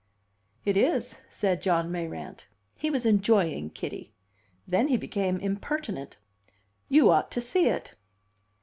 "It is," said John Mayrant. He was enjoying Kitty. Then he became impertinent. "You ought to see it."